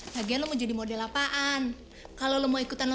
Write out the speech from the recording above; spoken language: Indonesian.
sampai jumpa di video selanjutnya